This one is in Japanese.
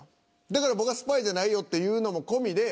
だから僕がスパイじゃないよっていうのも込みで。